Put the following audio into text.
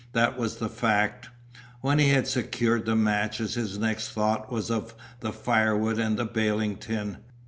That was the fact. When he had secured the matches his next thought was of the firewood and the baling tin.